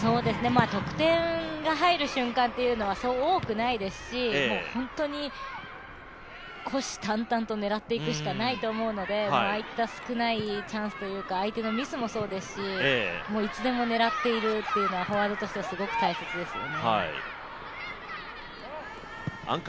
得点が入る瞬間というのはそう多くないですし、本当に虎視眈々と狙っていくしかないと思うので、ああいった少ないチャンスというか相手のミスもそうですしもういつでも狙っているっていうのはフォワードとしてはすごく大切ですよね。